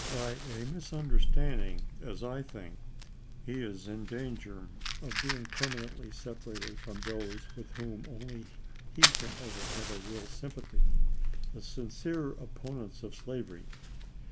By a misunderstand ing, as I think, he is in danger of being permanently sep arated from those with whom only he can ever have a real sympathy — the sincere opponents of slavery.